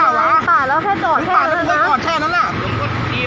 สมัยก็พาแล้วแค่ตรอดแค่นั้นแล้วนะ